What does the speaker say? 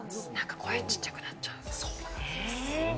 声がちっちゃくなっちゃう。